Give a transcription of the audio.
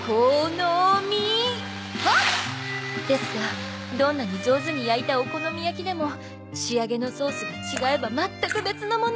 ですがどんなに上手に焼いたお好み焼きでも仕上げのソースが違えばまったく別の物。